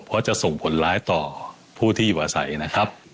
เพราะจะส่งผลร้ายต่อผู้ที่อยู่อาศัยนะครับ